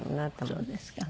そうですか。